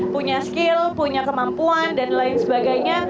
punya skill punya kemampuan dan lain sebagainya